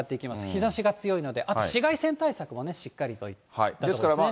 日ざしが強いので、あと紫外線対策もしっかりとしたほうがいいですね。